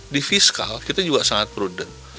di fiskal kita juga sangat prudent